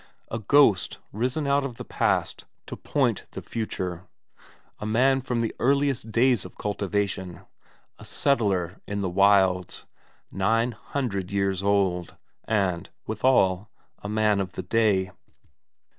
A ghost risen out of the past to point the future, a man from the earliest days of cultivation, a settler in the wilds, nine hundred years old, and, withal, a man of the day.